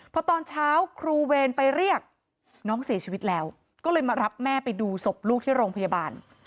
พอตอนเช้าครูเวรไปเรียกน้องเสียชีวิตแล้วก็เลยมารับแม่ไปดูศพลูกที่โรงพยาบาล